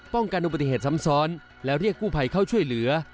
ป้องกันด้วยปฏิเหตุซ้ำซ้อนและเรียกคู่ภัยเข้าช่วยเหลือ